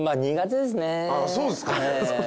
そうですか。